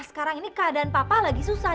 sekarang ini keadaan papa lagi susah